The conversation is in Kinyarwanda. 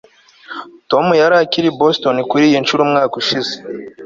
tom yari akiri i boston kuriyi nshuro umwaka ushize